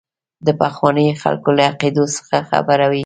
د پخوانیو خلکو له عقیدو څخه خبروي.